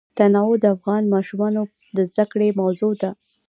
تنوع د افغان ماشومانو د زده کړې موضوع ده.